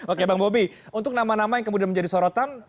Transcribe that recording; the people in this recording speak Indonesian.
oke bang bobi untuk nama nama yang kemudian menjadi sorotan